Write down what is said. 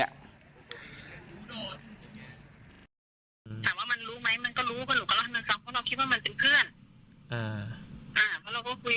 ว่ามันรู้ไหมเห็นก้อนทางสำคัญว่ามันมีเพื่อน